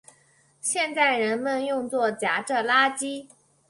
现在人们用作夹着垃圾。